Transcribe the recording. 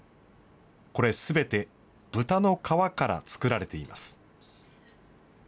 これすべて豚の革から作られています。